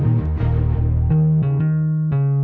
lepas maaf pak